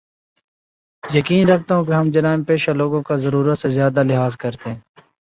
یقین رکھتا ہوں کے ہم جرائم پیشہ لوگوں کا ضرورت سے زیادہ لحاظ کرتے ہیں